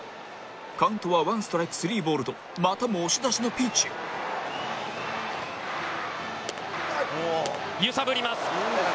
カウントはワンストライクスリーボールとまたも押し出しのピンチ揺さぶります。